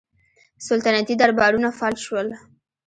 سلطنتي دربارونه فلج شول.